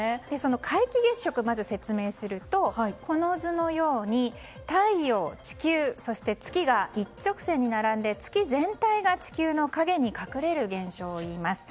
皆既月食をまず説明すると太陽、地球、月が一直線に並んで月全体が地球の影に隠れる現象をいいます。